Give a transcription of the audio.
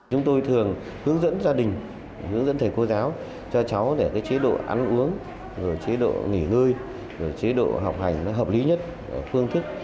chúng tôi thường hướng dẫn gia đình hướng dẫn thầy cô giáo cho cháu để chế độ ăn uống rồi chế độ nghỉ ngơi rồi chế độ học hành nó hợp lý nhất phương thức